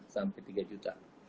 dua lima sampai tiga juta